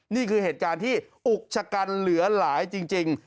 นี่คือเหตุการณ์ที่อุกชะกันเหลือหลายจริง